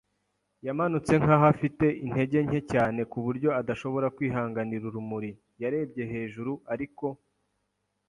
yamanutse nkaho afite intege nke cyane kuburyo adashobora kwihanganira urumuri. Yarebye hejuru, ariko